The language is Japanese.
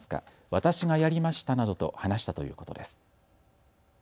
私がやりましたなどと話したということです。